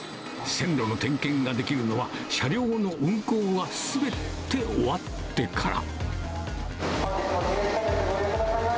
線路の点検ができるのは、車両の運行はすべて終わってから。